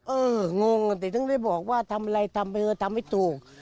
เอองงแต่ถึงได้บอกว่าทำอะไรทำไปทำไม่ถูก